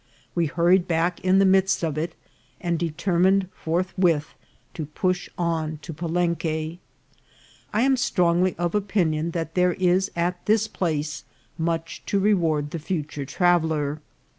We hurried back in the midst of, it, and determined forthwith to push on to Palenque. I am strongly of opinion that there is at this place much to reward the future traveller.